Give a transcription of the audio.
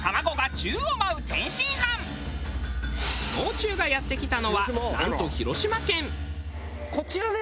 もう中がやって来たのはなんと広島県。